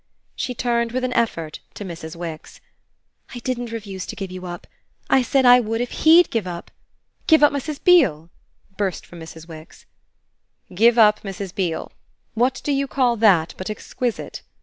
She turned with an effort to Mrs. Wix. "I didn't refuse to give you up. I said I would if HE'D give up " "Give up Mrs. Beale?" burst from Mrs. Wix. "Give up Mrs. Beale. What do you call that but exquisite?"